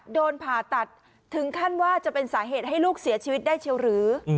ผ่าตัดถึงขั้นว่าจะเป็นสาเหตุให้ลูกเสียชีวิตได้เชียวหรือ